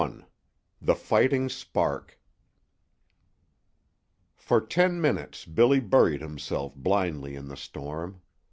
XXI THE FIGHTING SPARK For ten minutes Billy buried himself blindly in the storm.